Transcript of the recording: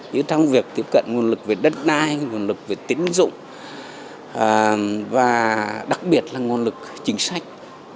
như trong việc tiếp cận nguồn lực về đất đai nguồn lực về tín dụng và đặc biệt là nguồn lực chính sách